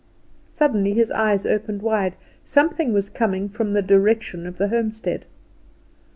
Suddenly his eyes opened wide; something was coming from the direction of the homestead.